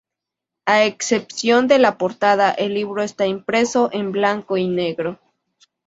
A excepción de la portada, el libro está impreso en blanco y negro.